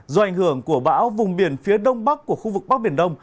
do ảnh hưởng của bão vùng biển phía đông bắc của khu vực bắc biển đông